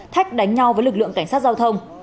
thách đánh nhau với lực lượng cảnh sát giao thông